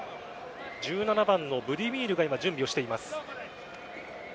１７番のブディミールが今準備をしています。